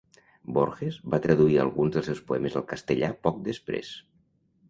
Borges va traduir alguns dels seus poemes al castellà poc després.